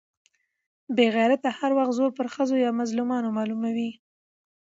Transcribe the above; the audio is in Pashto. بې غيرته هر وخت زور پر ښځو يا مظلومانو معلوموي.